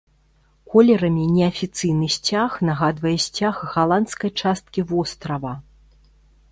Колерамі неафіцыйны сцяг нагадвае сцяг галандскай часткі вострава.